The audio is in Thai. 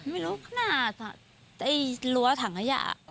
ไม่รู้ขนาดไล่หลัวถังขยะ